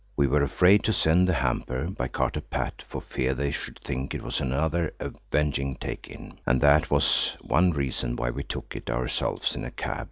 We were afraid to send the hamper by Carter Pat, for fear they should think it was another Avenging Take in. And that was one reason why we took it ourselves in a cab.